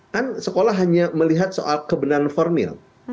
kan sekolah hanya melihat soal kebenaran formil